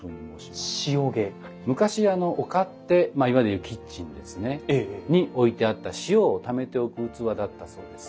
昔お勝手まあいわゆるキッチンですねに置いてあった塩をためておく器だったそうです。